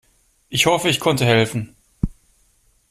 Ich hoffe, ich konnte helfen.